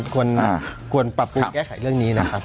ควรปรับปรุงแก้ไขเรื่องนี้นะครับ